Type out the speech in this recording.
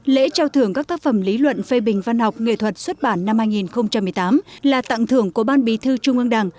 lễ trao thưởng các tác phẩm lý luận phê bình văn học nghệ thuật xuất bản năm hai nghìn một mươi tám là tặng thưởng của ban bí thư trung ương đảng